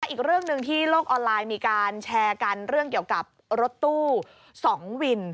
อีกเรื่องหนึ่งที่โลกออนไลน์มีการแชร์กันเรื่องเกี่ยวกับรถตู้๒วิน